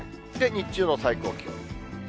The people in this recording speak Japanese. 日中の最高気温。